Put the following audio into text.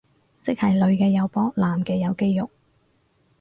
即係女嘅有波男嘅有肌肉